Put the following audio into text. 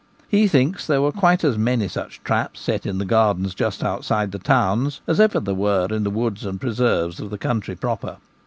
He thinks there were quite as many such traps set in the gardens just out side the towns as ever there were in the woods and preserves of the country proper.